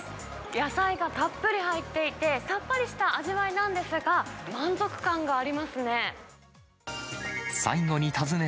野菜がたっぷり入っていて、さっぱりした味わいなんですが、満足感がありますね。